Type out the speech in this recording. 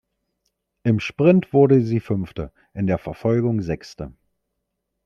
Im Sprint wurde sie dort Fünfte, in der Verfolgung Sechste.